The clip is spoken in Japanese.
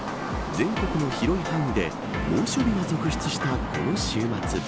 全国の広い範囲で猛暑日が続出したこの週末。